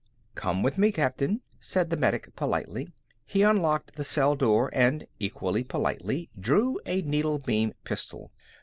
"Come with me, Captain," said the medic politely. He unlocked the cell door and, equally politely, drew a needle beam pistol.